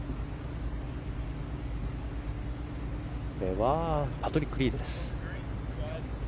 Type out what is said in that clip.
これはパトリック・リードです。